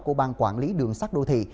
của bang quản lý đường sắt đô thị